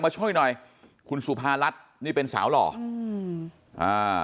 มาช่วยหน่อยคุณสุภารัฐนี่เป็นสาวหล่ออืมอ่า